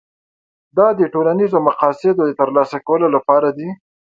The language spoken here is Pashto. دا د ټولنیزو مقاصدو د ترلاسه کولو لپاره دي.